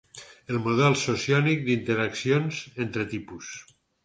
El model sociònic d'interaccions entre tipus.